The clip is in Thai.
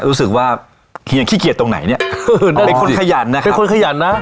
รู้สึกว่าเฮียขี้เกียจตรงไหนเนี่ยเป็นคนขยันนะเป็นคนขยันนะ